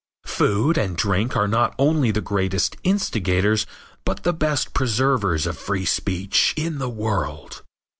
Food and drink are not only the greatest instigators but the best preservers of free speech in the world.